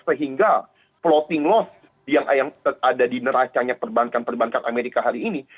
sehingga floating loss yang ada di neracanya perbankan perbankan amerika hari ini